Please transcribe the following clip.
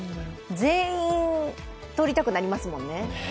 全員撮りたくなりますもんね。